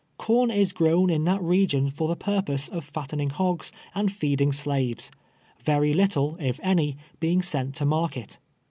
Corn is grown in that region for the purpose of fattening hogs and feeding slaves ; very little, if any, being sent to market.